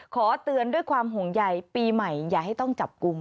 ขอเตือนด้วยความห่วงใยปีใหม่อย่าให้ต้องจับกลุ่ม